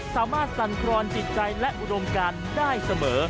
สามารถสั่นครรภ์จิตใจและอุดมการได้เสมอ